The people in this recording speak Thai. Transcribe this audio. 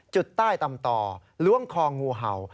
จุดใต้ตำต่อล้วงคองูเห่า